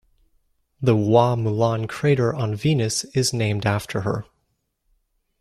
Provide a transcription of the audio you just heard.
The Hua Mulan crater on Venus is named after her.